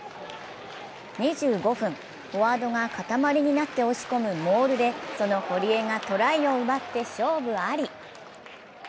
２５分、フォワードが塊になって押し込むモールでその堀江がトライを奪って勝負あり。